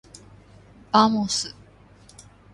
ばもす。